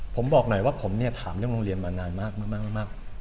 ผมบอกหน่อยว่าผมเนี่ยถามเรื่องโรงเรียนมานานมาก